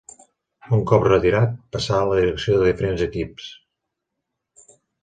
Un cop retirat, passà a la direcció de diferents equips.